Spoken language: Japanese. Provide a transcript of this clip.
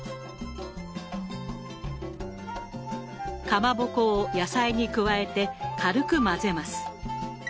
かまぼこを野菜に加えて軽く混ぜます。